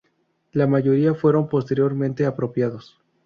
La mayoría fueron posteriormente apropiados.